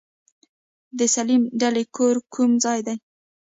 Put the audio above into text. د سليم دلې کور کوم ځای دی؟